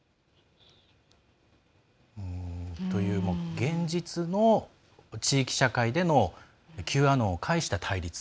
現実の地域社会でのＱアノンを介した対立。